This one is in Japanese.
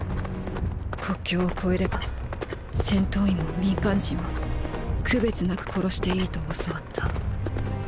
国境を越えれば戦闘員も民間人も区別なく殺していいと教わった。